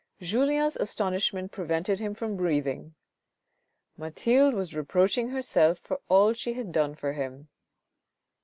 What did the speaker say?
Julien's astonishment prevented him from breathing — Mathilde was reproaching herself for all she had done for him.